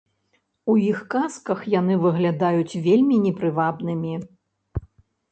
У іх казках яны выглядаюць вельмі непрывабнымі.